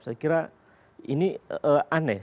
saya kira ini aneh